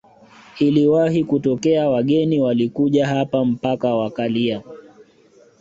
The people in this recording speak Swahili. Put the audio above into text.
Iliwahi kutokea wageni walikuja hapa mpaka wakalia